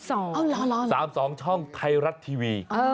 ๒๓๒อ๋อรอ๓๒ช่องไทยรัตทีวี